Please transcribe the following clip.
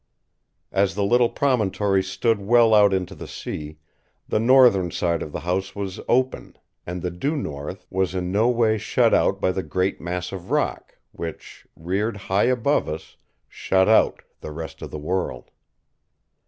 As the little promontory stood well out into the sea, the northern side of the house was open; and the due north was in no way shut out by the great mass of rock, which, reared high above us, shut out the rest of the world.